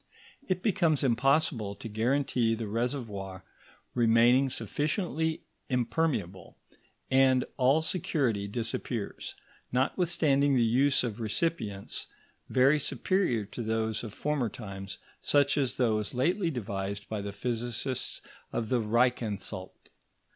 It becomes impossible to guarantee the reservoir remaining sufficiently impermeable, and all security disappears, notwithstanding the use of recipients very superior to those of former times, such as those lately devised by the physicists of the Reichansalt.